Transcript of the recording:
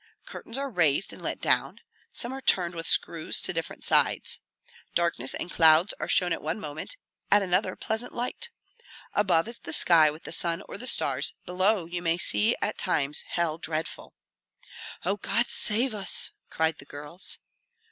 Curtains are raised and let down; some are turned with screws to different sides. Darkness and clouds are shown at one moment; at another pleasant light. Above is the sky with the sun or the stars; below you may see at times hell dreadful " "Oh, God save us!" cried the girls.